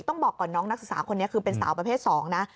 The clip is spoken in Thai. ต้องบอกก่อนน้องนักศึกษาคนนี้คือเป็นสาวประเภท๒นะ